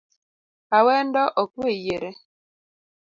Awendo ok we yiere